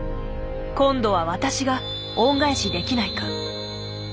今度は私が恩返しできないか。